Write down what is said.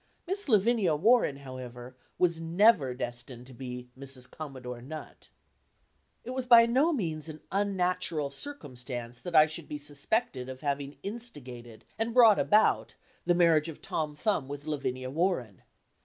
Miss Lavinia Warren, however, was never destined to be Mrs. Commodore Nutt. It was by no means an unnatural circumstance that I should be suspected of having instigated and brought about the marriage of Tom Thumb with Lavinia Warren.